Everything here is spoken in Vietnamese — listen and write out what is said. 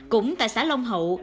cũng tại xã long hậu